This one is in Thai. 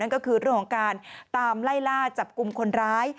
ก็คือเรื่องของการตามไล่ล่าจับกลุ่มคนร้าย